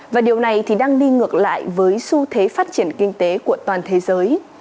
và điều này thì đang đi ngược lại với xu thế phát triển kinh tế của toàn thế giới